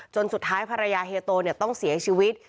สุดท้ายภรรยาเฮียโตต้องเสียชีวิต